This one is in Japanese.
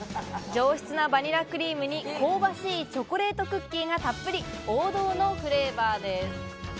上質なバニラクリームに香ばしいチョコレートクッキーがたっぷり、王道のフレーバーです。